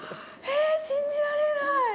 信じられない。